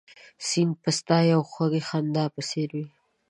سیند به ستا یوې خوږې خندا په څېر وي